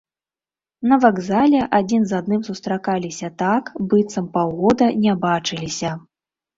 На вакзале адзін з адным сустракаліся так, быццам паўгода не бачыліся.